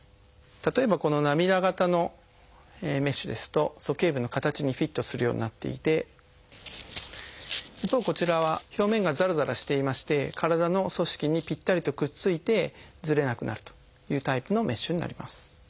例えばこの涙形のメッシュですと鼠径部の形にフィットするようになっていて一方こちらは表面がざらざらしていまして体の組織にぴったりとくっついてずれなくなるというタイプのメッシュになります。